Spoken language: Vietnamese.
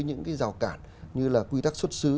những rào cản như quy tắc xuất xứ